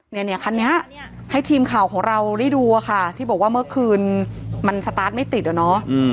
เนี่ยคันนี้ให้ทีมข่าวของเราได้ดูอะค่ะที่บอกว่าเมื่อคืนมันสตาร์ทไม่ติดอะเนาะ